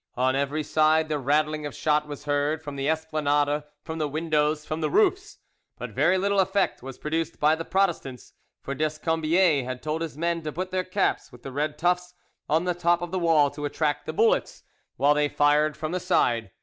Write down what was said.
On every side the rattling of shot was heard, from the Esplanade, from the windows, from the roofs; but very little effect was produced by the Protestants, for Descombiez had told his men to put their caps with the red tufts on the top of the wall, to attract the bullets, while they fired from the side.